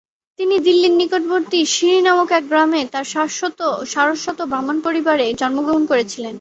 তিনি দিল্লির নিকটবর্তী সিরি নামক এক গ্রামে এক সারস্বত ব্রাহ্মণ পরিবারে জন্মগ্রহণ করেছিলেন।